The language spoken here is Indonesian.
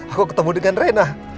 aku ketemu dengan rena